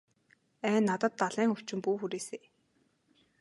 Ай надад далайн өвчин бүү хүрээсэй.